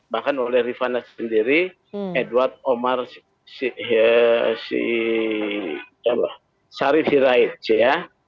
bahkan oleh rifana sendiri edward omar syarif hirait ya